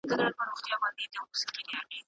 • کار د کورنۍ نه مه لوړوه.